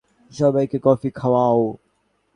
সবাইকে কফি খাওয়াও।